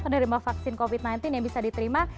penerima vaksin covid sembilan belas yang bisa diterima